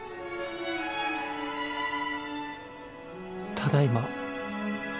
ただいま。